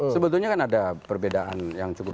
sebetulnya kan ada perbedaan yang cukup